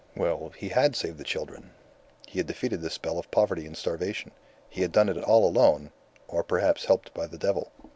Well, he had saved the children. He had defeated the spell of poverty and starvation. He had done it all alone or perhaps helped by the devil.